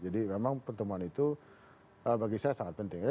jadi memang pertemuan itu bagi saya sangat penting